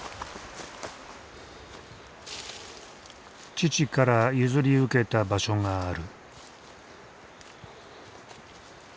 父から譲り受けた場所がある。